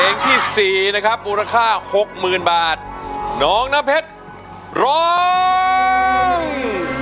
ที่สี่นะครับมูลค่าหกหมื่นบาทน้องน้ำเพชรร้อง